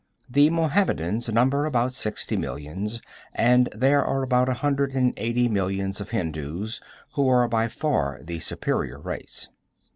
The Mohammedans number about sixty millions and there are about a hundred and eighty millions of Hindus, who are by far the superior race.